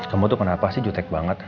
kamu tuh kenapa sih jutek banget